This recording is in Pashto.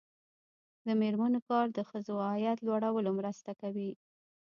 د میرمنو کار د ښځو عاید لوړولو مرسته کوي.